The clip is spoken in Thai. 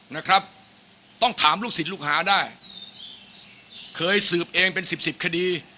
นะครับต้องถามลูกศิษย์ลูกหาได้เคยสืบเองเป็นสิบสิบคดี